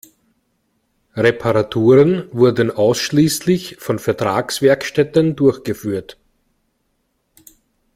Reparaturen wurden ausschließlich von Vertragswerkstätten durchgeführt.